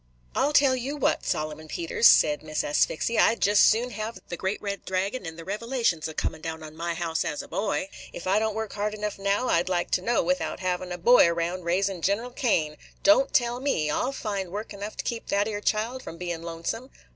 "I tell you what, Solomon Peters," said Miss Asphyxia, "I 'd jest as soon have the great red dragon in the Revelations a comin' down on my house as a boy! Ef I don't work hard enough now, I 'd like to know, without havin' a boy raound raisin' gineral Cain. Don't tell me! I 'll find work enough to keep that 'ere child from bein' lonesome.